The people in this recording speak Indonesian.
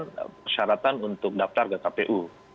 dua puluh persen persyaratan untuk daftar ke kpu